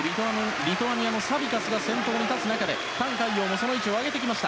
リトアニアのサビカスが先頭に立つ中でタン・カイヨウもその位置を上げてきました。